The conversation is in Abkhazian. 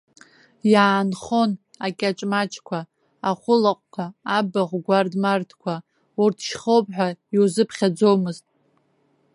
Иаанхон акьаҿ-маҿқәа, ахәы-лаҟәқәа, абахә гәард-мардқәа, урҭ шьхоуп ҳәа иузыԥхьаӡомызт.